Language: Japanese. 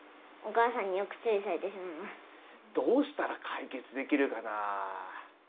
お母さんによく注意されてしどうしたら解決できるかなあ。